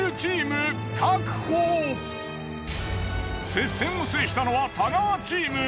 接戦を制したのは太川チーム。